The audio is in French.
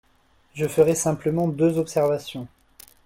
Je ferai simplement deux observations.